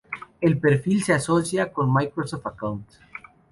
El perfil se asocia con Microsoft account.